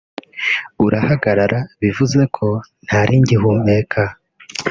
urahagarara bivuze ko ntari ngihumeka